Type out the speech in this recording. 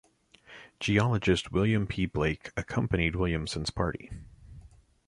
Geologist William P. Blake accompanied Williamson's party.